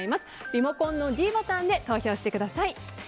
リモコンのｄボタンで参加してください。